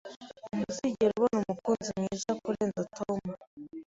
Ntuzigera ubona umukunzi mwiza kurenza Tom.